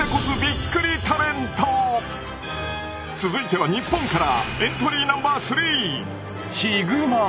続いては日本から！